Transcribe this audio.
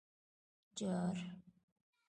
_جار!